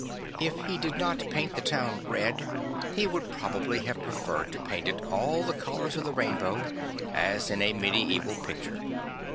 If he did not paint the town red, he would probably have preferred to paint it all the colours of the rainbow 1 as in a medieval picture.